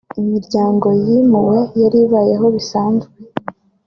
imiryango yimuwe yari ibayeho bisanzwe